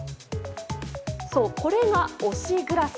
そう、これが推しグラス。